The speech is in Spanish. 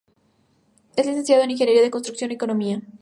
Es licenciado en ingeniería de construcción y economía.